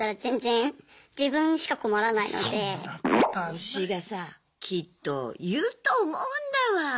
推しがさきっと言うと思うんだわ。